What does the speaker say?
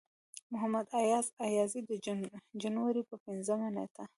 محمد اياز اياز د جنوري پۀ پينځمه نيټه